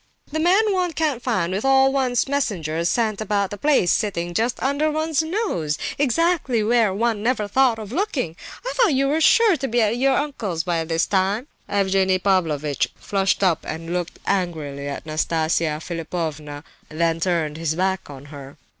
"The man one can't find with all one's messengers sent about the place, sitting just under one's nose, exactly where one never thought of looking! I thought you were sure to be at your uncle's by this time." Evgenie Pavlovitch flushed up and looked angrily at Nastasia Philipovna, then turned his back on her.